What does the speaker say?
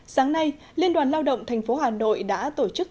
sáng nay liên đoàn lao động tp hà nội đã tổ chức